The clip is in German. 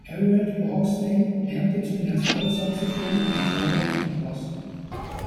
Everett Barksdale lernte zunächst Altsaxophon, Gitarre und Bass.